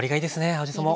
青じそも。